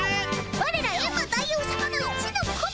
ワレらエンマ大王さまの一の子分！